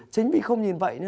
chính vì không nhìn vậy